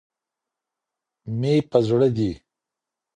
مي په زړه دي